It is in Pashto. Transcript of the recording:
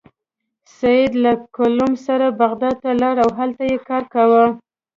سید له کلوم سره بغداد ته لاړ او هلته یې کار کاوه.